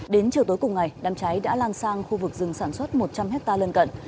đến chiều tối cùng ngày đám cháy đã lan sang khu vực rừng sản xuất một trăm linh hectare lân cận